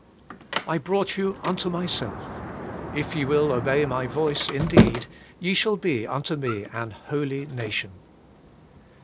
' I brought you unto myself ; if ye will obey my voice in deed, ye shall be unto me an holy nation.'